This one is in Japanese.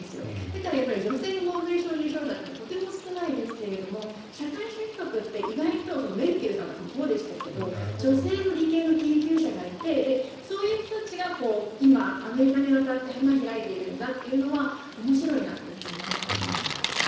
だから、女性のノーベル賞受賞者というのはとても少ないですが社会主義国って意外とメルケルさんとかもそうでしたけど女性の理系の研究者がいてそういう人たちが今、アメリカに渡って花開いているんだというのは面白いなと思いますね。